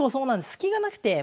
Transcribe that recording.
隙がなくて。